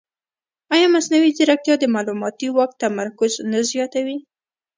ایا مصنوعي ځیرکتیا د معلوماتي واک تمرکز نه زیاتوي؟